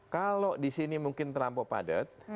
kalau di sini mungkin terlampau padat